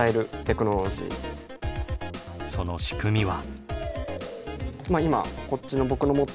その仕組みは？